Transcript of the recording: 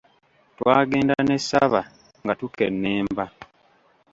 Twagenda ne Ssaba nga tukennemba!